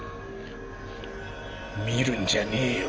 見るんじゃねえよ。